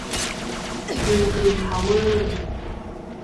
บี กริม เพาเวอร์